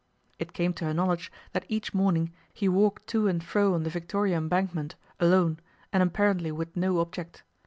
It came to her knowledge that each morning he walked to and fro on the Victoria Embankment, alone, and apparently with no object.